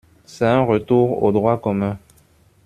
C’est un retour au droit commun.